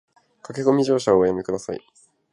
駆け込み乗車はおやめ下さい